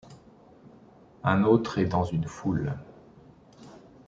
Un autre est dans une foule.